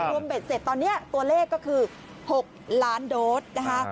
เบ็ดเสร็จตอนนี้ตัวเลขก็คือ๖ล้านโดสนะคะ